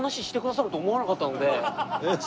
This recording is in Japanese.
えっ？